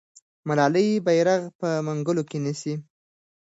ملالۍ بیرغ په منګولو کې نیسي.